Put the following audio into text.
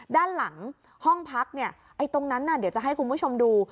ด้านหลังห้องพักตรงนั้นเดี๋ยวจะให้คุณผู้ชมดู